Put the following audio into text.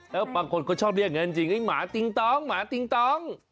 แล้วบางคนก็ชอบเรียกมันจริงไอ้หมาติงตอง